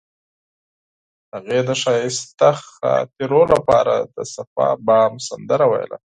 هغې د ښایسته خاطرو لپاره د پاک بام سندره ویله.